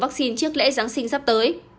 vắc xin trước lễ giáng sinh sắp tới